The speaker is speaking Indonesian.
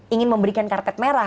ingin memberikan kartet merah